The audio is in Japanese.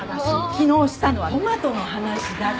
昨日したのはトマトの話だっちゅうの。